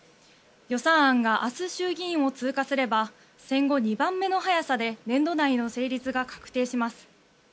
予算案が明日衆議院を通過すれば戦後２番目の早さで年度内の成立が確定します。